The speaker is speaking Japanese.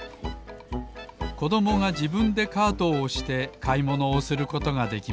こどもがじぶんでカートをおしてかいものをすることができます